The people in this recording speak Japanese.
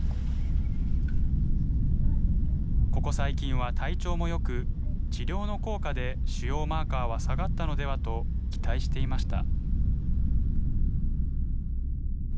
ここ最近は体調もよく治療の効果で腫瘍マーカーは下がったのではと期待していました。